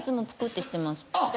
あっ！